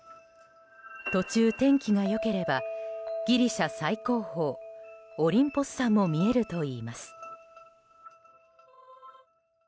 途中、天気が良ければギリシャ最高峰オリンポス山も見えるといいます。